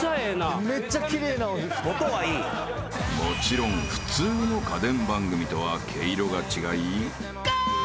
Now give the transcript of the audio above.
［もちろん普通の家電番組とは毛色が違い］